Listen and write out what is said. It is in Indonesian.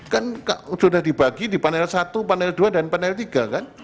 kan sudah dibagi di panel satu panel dua dan panel tiga kan